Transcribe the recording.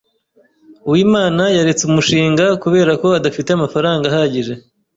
Uwimana yaretse umushinga kubera ko adafite amafaranga ahagije.